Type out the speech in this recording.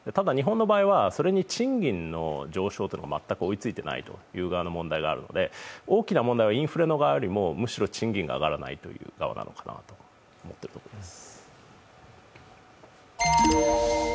ただ、日本の場合はそれに賃金の上昇っていうのが全く追いついていないという側の問題もあるので大きな問題はインフレの側よりもむしろ賃金が上がらない側なのかなと思っています。